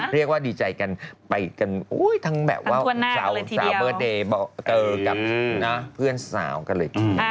เรียกว่าดีใจกันไปกันทั้งแบบว่าเจอกับเพื่อนสาวกันเลย